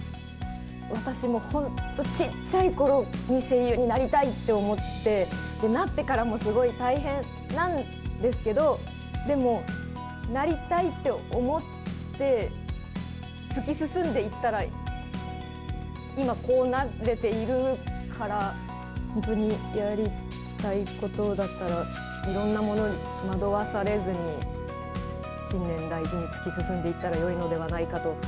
私も本当、ちっちゃいころに声優になりたいと思って、なってからもすごい大変なんですけど、でもなりたいって思って突き進んでいったら、今、こうなれているから、本当にやりたいことだったら、いろんなものに惑わされずに、信念、大事に突き進んでいったらよいのではないかと。